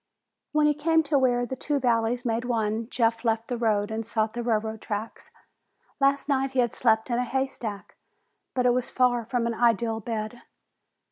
When he came to where the two valleys made one, Jeff left the road and sought the railroad tracks. Last night he had slept in a haystack, but it was far from an ideal bed.